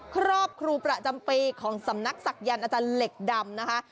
ครูประจำปีของสำนักศักยันต์อาจารย์เหล็กดำนะคะ